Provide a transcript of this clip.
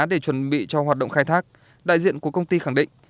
để chuẩn bị cho hoạt động khai thác đại diện của công ty khẳng định